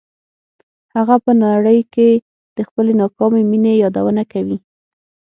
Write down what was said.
هغه په نړۍ کې د خپلې ناکامې مینې یادونه کوي